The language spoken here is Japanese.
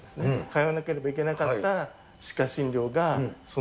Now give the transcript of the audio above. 通わなければいけなかった歯科診